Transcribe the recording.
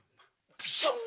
プシュン！